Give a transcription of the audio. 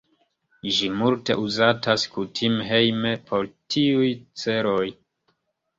Ĝi multe uzatas kutime hejme por tiuj celoj.